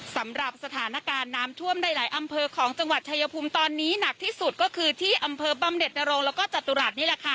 สำหรับสถานการณ์น้ำท่วมในหลายอำเภอของจังหวัดชายภูมิตอนนี้หนักที่สุดก็คือที่อำเภอบำเด็ดนรงแล้วก็จตุรัสนี่แหละค่ะ